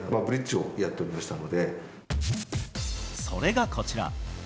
それが、こちら。